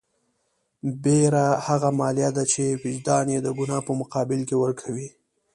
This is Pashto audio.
بېره هغه مالیه ده چې وجدان یې د ګناه په مقابل کې ورکوي.